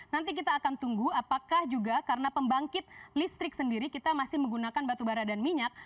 nanti kita akan tunggu apakah juga karena pembangkit listrik sendiri kita masih menggunakan batu bara dan minyak